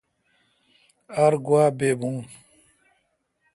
ار گوا بیبو۔